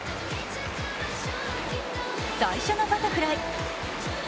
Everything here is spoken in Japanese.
最初のバタフライ。